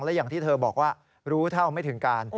และอย่างที่เธอบอกว่ารู้เท่าไม่ถึงการ